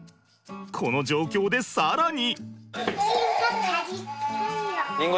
この状況で更に。